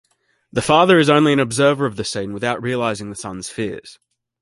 The father is only an observer of the scene without realizing the son's fears.